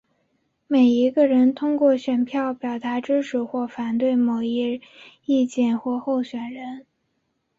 每一个人通过选票表达支持或反对某一意见或候选人。